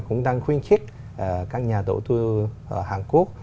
cũng đang khuyên khích các nhà đầu tư ở hàn quốc